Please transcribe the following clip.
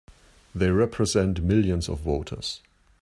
They represent millions of voters!